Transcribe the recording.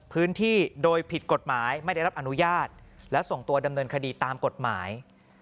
พื้นที่โดยผิดกฎหมายไม่ได้รับอนุญาตและส่งตัวดำเนินคดีตามกฎหมาย